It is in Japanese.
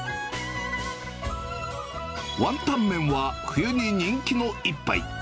ワンタンメンは冬に人気の一杯。